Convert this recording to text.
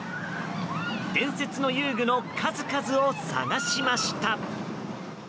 伝説の遊具の数々を探しました。